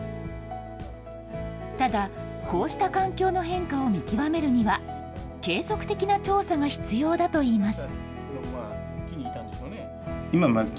ただこうした環境の変化を見極めるには、継続的な調査が必要だといいます。